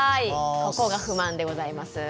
「ここが不満！」でございます。